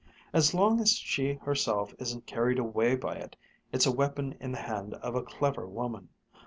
As long as she herself isn't carried away by it, it's a weapon in the hand of a clever woman.